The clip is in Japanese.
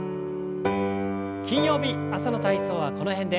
金曜日朝の体操はこの辺で。